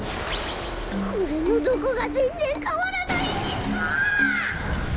これのどこがぜんぜんかわらないんですか！